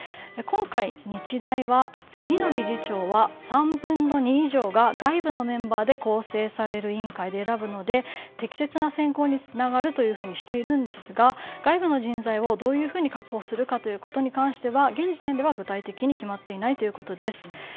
今回、日大は次の理事長は３分の２以上が外部のメンバーで構成される委員会で選ぶので適切な選考につながるとしていますが外部の人材をどう確保するかについては現時点では具体的に決まっていないということです。